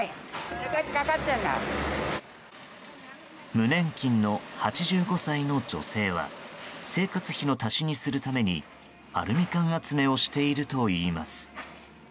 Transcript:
無年金の８５歳の女性は生活費の足しにするためにアルミ缶集めをしているといいます。